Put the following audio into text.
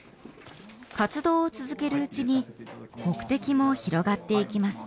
活動を続けるうちに目的も広がっていきます。